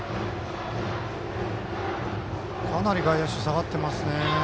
かなり外野手、下がっていますね。